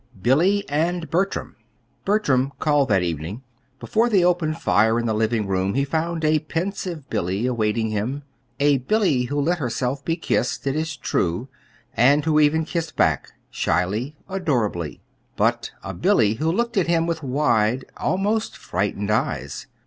BILLY AND BERTRAM Bertram called that evening. Before the open fire in the living room he found a pensive Billy awaiting him a Billy who let herself be kissed, it is true, and who even kissed back, shyly, adorably; but a Billy who looked at him with wide, almost frightened eyes.